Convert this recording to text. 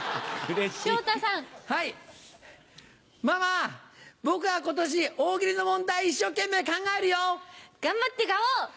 ママ僕は今年大喜利の問題一生懸命考えるよ。頑張ってガオ。